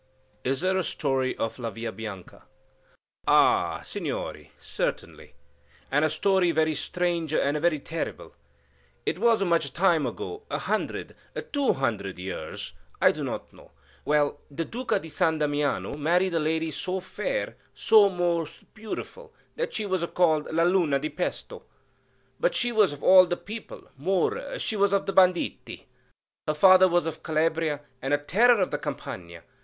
"Is there a story of La Villa Bianca?" "Ah, Signori, certainly; and a story very strange and very terrible. It was much time ago, a hundred,—two hundred years; I do not know. Well, the Duca di San Damiano married a lady so fair, so most beautiful that she was called La Luna di Pesto; but she was of the people,—more, she was of the banditti: her father was of Calabria, and a terror of the Campagna.